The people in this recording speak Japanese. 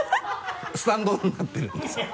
スタンドになってるんですよ。